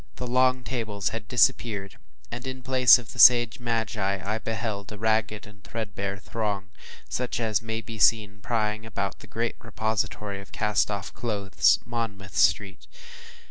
The long tables had disappeared, and, in place of the sage magi, I beheld a ragged, threadbare throng, such as may be seen plying about the great repository of cast off clothes, Monmouth Street.